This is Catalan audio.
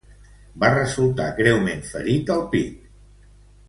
Jorge va resultar greument ferit al pit.